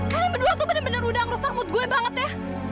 kamu berdua tuh benar benar udah ngeresak mood gue banget ya